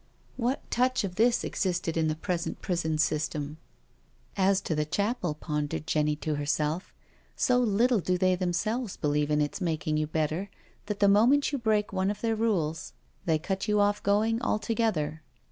What touch of this existed in the present prison system? " As to chapel," pondered Jenny to herself> " so little do they themselves believe in its making you better that the moment you break one of their rules they cut you off going altogether.